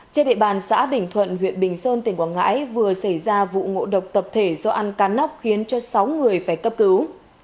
trên địa bàn xã bình thuận huyện bình sơn tỉnh quảng ngãi vừa xảy ra vụ ngộ độc tập thể do ăn cá nóc khiến cho sáu người phải cấp cứu